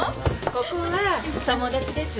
ここは友達です。